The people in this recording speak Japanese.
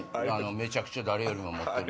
めちゃくちゃ誰よりも持ってる。